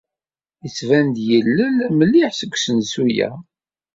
Yettban-d yilel mliḥ seg usensu-a.